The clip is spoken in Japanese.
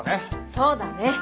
そうだね。